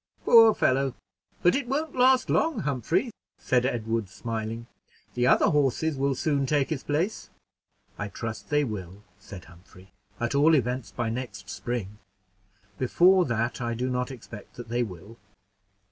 "Poor fellow! but it won't last long, Humphrey," said Edward, smiling; "the other horses will soon take his place." "I trust they will," said Humphrey, "at all events by next spring; before that I do not expect that they will."